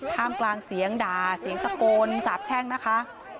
มกลางเสียงด่าเสียงตะโกนสาบแช่งนะคะ